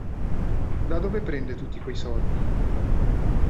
Da dove prende tutti quei soldi?